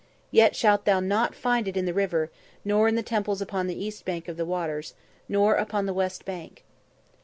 Yet shalt thou not find it in the river, nor in the temples upon the east bank of the waters, nor upon the west bank."